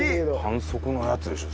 反則のやつでしょ？